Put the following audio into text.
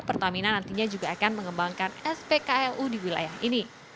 pertamina nantinya juga akan mengembangkan spklu di wilayah ini